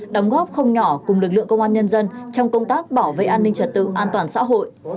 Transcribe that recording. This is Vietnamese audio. đóng góp không nhỏ cùng lực lượng công an nhân dân trong công tác bảo vệ an ninh trật tự an toàn xã hội